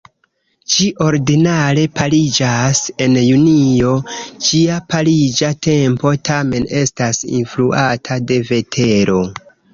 Ĝi ordinare pariĝas en junio, ĝia pariĝa tempo tamen estas influata de vetero.